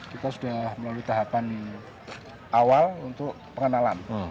kita sudah melalui tahapan awal untuk pengenalan